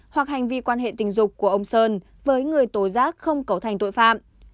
hoặc hành vi quan hệ tình dục của ông sơn với người tố giác không cấu thành tội phạm